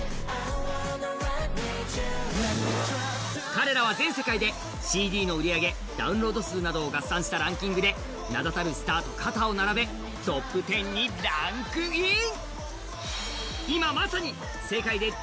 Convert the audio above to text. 彼らは全世界でＣＤの売り上げダウンロード数のランキングで名だたるスターたちと肩を並べトップ１０にランクイン。